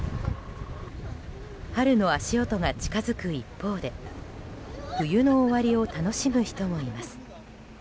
春の足音が近づく一方で冬の終わりを楽しむ人もいます。